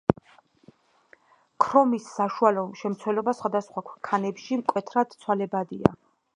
ქრომის საშუალო შემცველობა სხვადასხვა ქანებში მკვეთრად ცვალებადია.